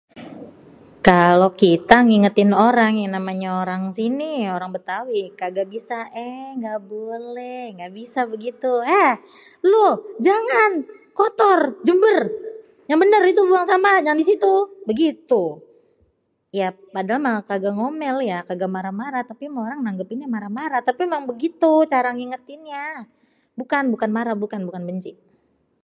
"Kalo kita ngingetin orang, yang namanya orang sini, orang Bétawi kagak bisa ""eh nggak boleh"" nggak bisa begitu. ""Ah! Lu jangan kotor, jember, yang bener itu buang sampahnya jangan di situ!"" begitu. Ya padahal mah kagak ngomél ya, kagak marah-marah tapi mah orang nanggepinnya marah-marah. Tapi mah emang begitu cara ngingetinnya. Bukan, bukan marah, bukan benci."